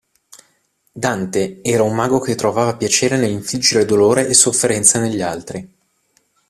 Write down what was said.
Dante era un mago che trovava piacere nell'infliggere dolore e sofferenza negli altri.